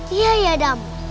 iya ya adam